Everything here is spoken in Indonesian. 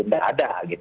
tidak ada gitu